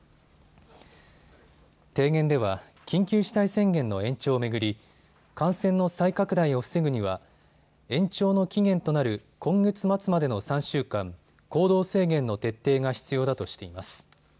提言では緊急事態宣言の延長を巡り感染の再拡大を防ぐには延長の期限となる今月末までの３週間、行動制限の徹底が必要だとしています。